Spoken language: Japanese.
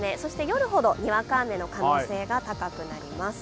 夜ほどにわか雨の可能性が高くなります。